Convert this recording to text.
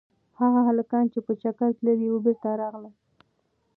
هغه هلکان چې په چکر تللي وو بېرته راغلل.